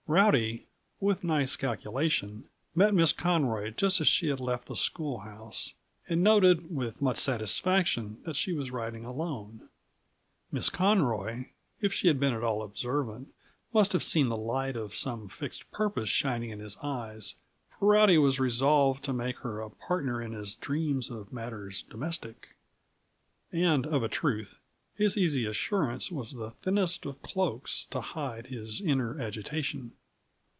Rowdy, with nice calculation, met Miss Conroy just as she had left the school house, and noted with much satisfaction that she was riding alone. Miss Conroy, if she had been at all observant, must have seen the light of some fixed purpose shining in his eyes; for Rowdy was resolved to make her a partner in his dreams of matters domestic. And, of a truth, his easy assurance was the thinnest of cloaks to hide his inner agitation.